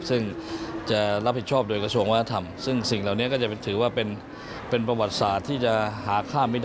ซึ่งจะรับผิดชอบโดยกระทรวงวัฒนธรรม